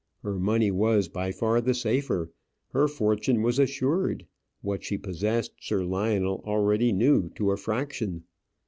Her money was by far the safer; her fortune was assured; what she possessed, Sir Lionel already knew to a fraction.